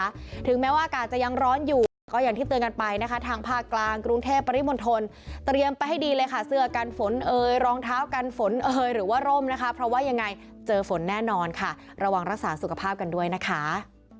ถึงแม้ว่าอากาศจะยังร้อนอยู่ก็อย่างที่เตือนกันไปนะคะทางภาคกลางกรุงเทพปริมณฑลเตรียมไปให้ดีเลยค่ะเสื้อกันฝนเอ่ยรองเท้ากันฝนเอ่ยหรือว่าร่มนะคะเพราะว่ายังไงเจอฝนแน่นอนค่ะระวังรักษาสุขภาพกันด้วยนะคะ